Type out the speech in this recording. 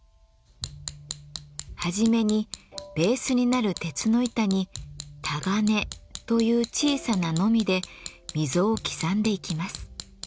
初めにベースになる鉄の板にたがねという小さなのみで溝を刻んでいきます。